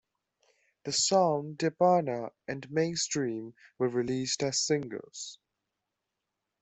The songs "Djapana" and "Mainstream" were released as singles.